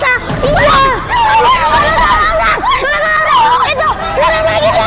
sekarang lagi dong